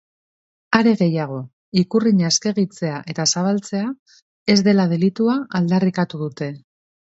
Are gehiago, ikurrina eskegitzea eta zabaltzea ez dela delitua aldarrikatu dute.